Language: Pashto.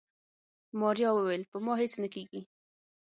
ماريا وويل په ما هيڅ نه کيږي.